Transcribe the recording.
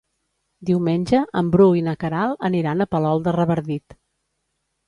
Diumenge en Bru i na Queralt aniran a Palol de Revardit.